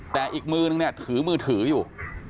แต่อีกมือนึงเนี่ยถือมือถืออยู่